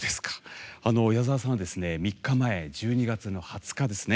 矢沢さんは３日前１２月の２０日ですね